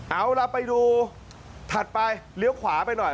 เอาล่ะไปดูถัดไปเลี้ยวขวาไปหน่อย